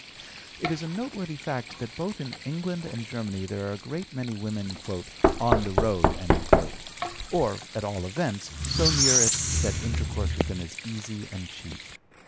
It is a noteworthy fact that both in England and Germany there are a great many women "on the road," or, at all events, so near it that intercourse with them is easy and cheap.